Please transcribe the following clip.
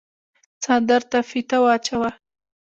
څادر ته فيته واچوه۔